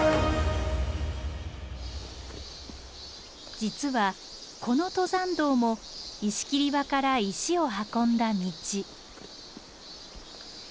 実はこの登山道も石切場から石を運んだ道。